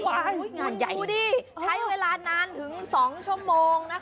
งานใหญ่ดูดิใช้เวลานานถึง๒ชั่วโมงนะคะ